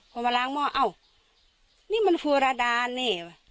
พอมาล้างหม้อเอ้านี่มันฟูรดานนี่